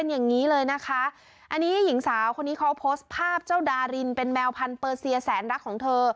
อย่างนี้เลยนะคะอันนี้หญิงสาวคนนี้เขาโพสต์ภาพเจ้าดารินเป็นแมวพันเปอร์เซียแสนรักของเธอ